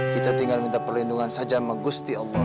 kita tinggal minta perlindungan saja sama gusti allah